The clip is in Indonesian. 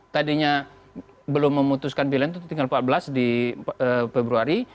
tadinya belum memutuskan pilihan itu tinggal empat belas di februari